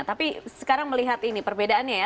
tapi sekarang melihat ini perbedaannya ya